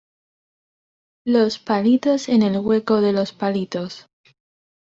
los palitos en el hueco de los palitos.